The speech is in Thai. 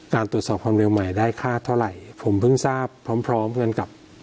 ตรวจสอบความเร็วใหม่ได้ค่าเท่าไหร่ผมเพิ่งทราบพร้อมพร้อมกันกับ